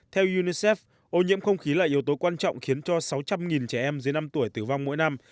theo unicef ô nhiễm không khí là yếu tố quan trọng khiến cho sáu trăm linh trẻ em dưới năm tuổi tử vong mỗi năm